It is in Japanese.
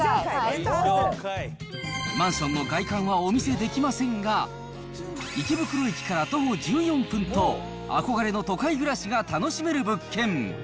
マンションの外観はお見せできませんが、池袋駅から徒歩１４分と、憧れの都会暮らしが楽しめる物件。